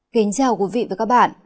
kính chào quý vị và các bạn